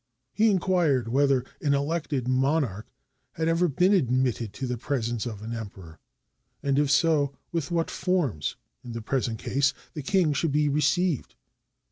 He inquired whether an elected monarch had ever been admitted to the presence of an Emperor; and if so, with what forms, in the present case, the king should be received.